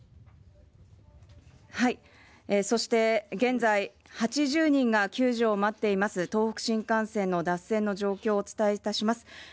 そして現在８０人が救助を待っています東北新幹線の脱線の状況をお伝えします。